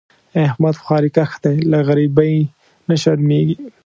احمد خواریکښ دی؛ له غریبۍ نه شرمېږي.